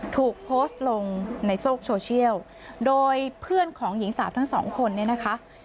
ถูกโพสต์ลงในโลกโซเชียลโดยเพื่อนของหญิงสาวทั้งสองคนเนี่ยนะคะ